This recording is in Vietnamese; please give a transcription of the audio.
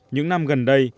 những năm gần đây